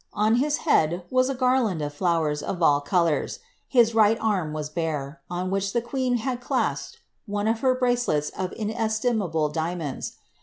On his head was a garland of flowers of all colours ; his right arm was bare, on which the queen had clasped one of her bracelets of inestimable diamonds.